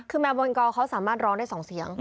คือแมวบอลกอลเขาสามารถร้องได้๒เสียง